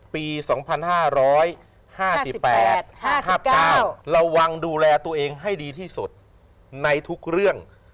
ปี๒๕๕๘๕๙ระวังดูแลตัวเองให้ดีที่สุดในทุกเรื่อง